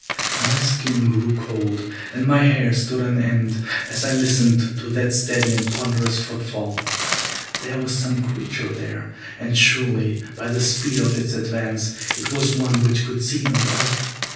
My skin grew cold, and my hair stood on end as I listened to that steady and ponderous footfall. There was some creature there, and surely by the speed of its advance, it was one which could see in the dark.